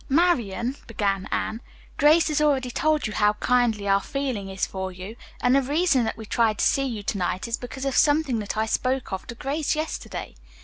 "Marian," began Anne, "Grace has already told you how kindly our feeling is for you, and the reason that we tried to see you to night is because of something that I spoke of to Grace yesterday.